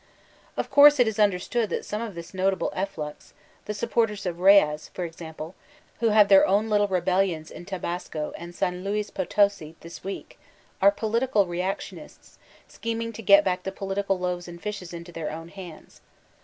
Of course it is understood that some of this notabk efflux (the supporters of Reyes, for example, who have their own little rebellions in Tabasco and San Lob P6 tosi thb week) are political reactionists, scheming to gel back the political loaves and fishes into their own hands.